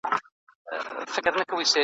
موږ له پېړيو راهيسي د خپل شرف دفاع کوو.